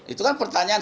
itu kan pertanyaan